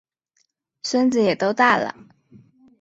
孙子也都大了